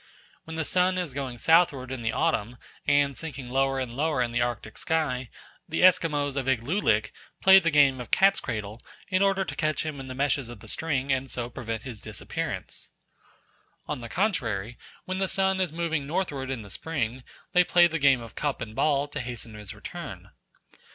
When the sun is going southward in the autumn, and sinking lower and lower in the Arctic sky, the Esquimaux of Iglulik play the game of cat's cradle in order to catch him in the meshes of the string and so prevent his disappearance. On the contrary, when the sun is moving northward in the spring, they play the game of cup and ball to hasten his return.